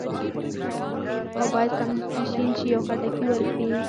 او باید سمدستي شین شي او خټکي ورکړي.